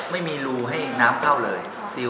ไม่มีรูให้น้ำเข้าเลย